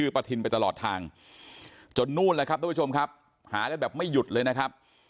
ไปตลอดทางจนนู่นแหละครับท่านผู้ชมครับหาแล้วแบบไม่หยุดเลยนะครับ